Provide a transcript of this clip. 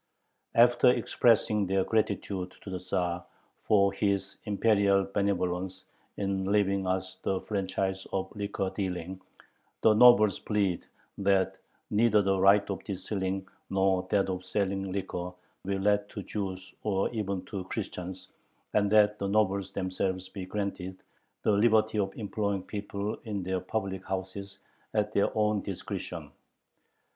After expressing their gratitude to the Tzar "for his Imperial benevolence in leaving us the franchise of liquor dealing," the nobles plead that "neither the right of distilling nor that of selling liquor be let to Jews or even to Christians," and that the nobles themselves be granted the "liberty" of employing people in their "public houses at their own discretion."